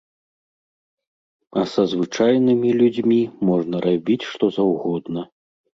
А са звычайнымі людзьмі можна рабіць што заўгодна.